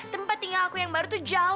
tempat tinggal aku yang baru tuh jauh